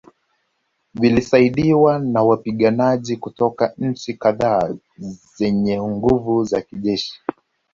Vilisaidiwa na wapiganaji kutoka nchi kadhaa zenye nguvu za kijeshi